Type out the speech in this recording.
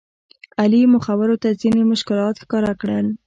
علي مخورو ته ځینې مشکلات ښکاره کړل.